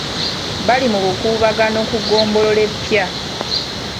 Bali mu bukuubagano ku ggombolola epya.